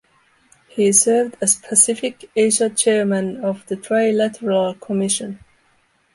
He served as Pacific Asia chairman of the Trilateral Commission.